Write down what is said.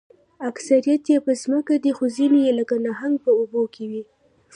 اکثریت یې په ځمکه دي خو ځینې لکه نهنګ په اوبو کې وي